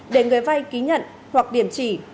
để người vai ký nhận hoặc điểm chỉ